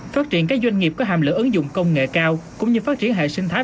phát triển các doanh nghiệp có hàm lượng ứng dụng công nghệ cao cũng như phát triển hệ sinh thái